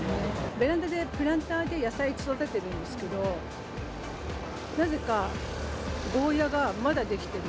ベランダでプランターで野菜育ててるんですけど、なぜかゴーヤがまだできてる。